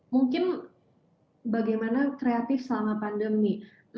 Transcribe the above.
mungkin bagaimana kreatif selama pandemi